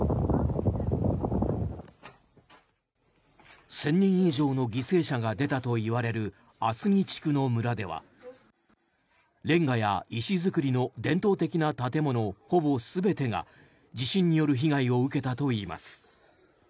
１０００人以上の犠牲者が出たといわれるアスニ地区の村ではレンガや石造りの伝統的な建物ほぼ全てが地震による被害を受けたといいます。